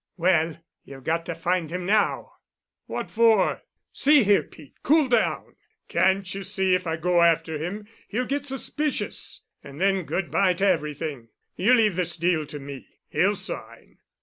"Well, you've got to find him—now." "What for? See here, Pete, cool down. Can't you see if I go after him he'll get suspicious—and then good bye to everything. You leave this deal to me. He'll sign.